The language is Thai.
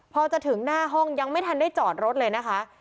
พอจะถึงหน้าห้องยังไม่ทันได้จอดรถเลยนะคะ